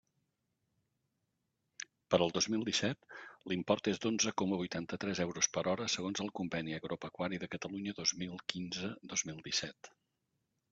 Per al dos mil disset, l'import és d'onze coma vuitanta-tres euros per hora segons el Conveni agropecuari de Catalunya dos mil quinze-dos mil disset.